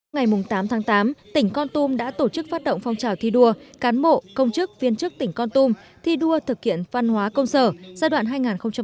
ngày tám tháng tám tỉnh con tum đã tổ chức phát động phong trào thi đua cán bộ công chức viên chức tỉnh con tum thi đua thực hiện văn hóa công sở giai đoạn hai nghìn hai mươi hai nghìn hai mươi năm